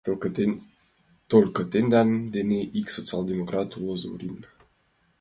Только тендан дене ик социал-демократ уло, Зорин.